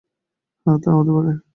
হ্যাঁ, তা হতে পারে।